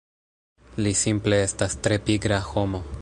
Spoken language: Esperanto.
Li simple estas tre pigra homo